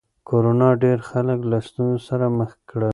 کرونا ډېر خلک له ستونزو سره مخ کړل.